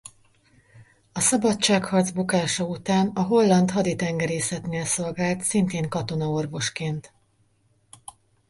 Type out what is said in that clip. A szabadságharc bukása után a holland haditengerészetnél szolgált szintén katonaorvosként.